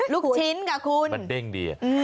ลูกชิ้นค่ะคุณมันเด้งดี